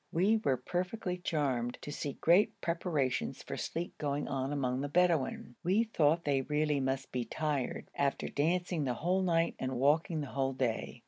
We were perfectly charmed to see great preparations for sleep going on among the Bedouin. We thought they really must be tired after dancing the whole night and walking the whole day.